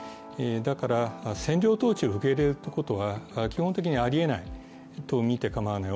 だから、占領統治を受け入れるということは基本的にありえないとみてかまわない。